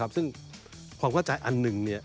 ซึ่งความเข้าใจอันหนึ่ง